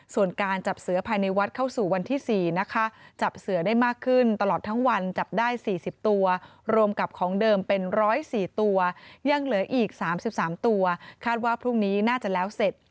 ส่วนการจับเสือภายในวัดเข้าสู่วันที่๔นะคะจับเสือได้มากขึ้นตลอดทั้งวันจับได้๔๐ตัวรวมกับของเดิมเป็น๑๐๔ตัวยังเหลืออีก๓๓ตัวคาดว่าพรุ่งนี้น่าจะแล้วเสร็จ